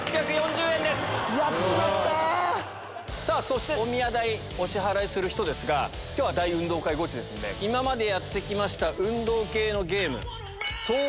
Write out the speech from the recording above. そしておみや代お支払いする人ですが今日は大運動会ゴチですので今までやった運動系のゲーム。